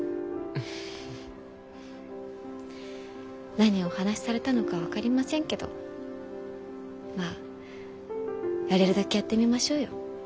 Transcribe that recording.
何をお話しされたのか分かりませんけどまあやれるだけやってみましょうよ。